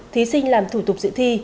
thí sinh làm thủ tục dự thi